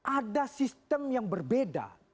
ada sistem yang berbeda